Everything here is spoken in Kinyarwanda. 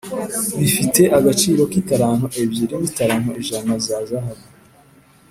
bifite agaciro k italanto ebyiri n italanto ijana za zahabu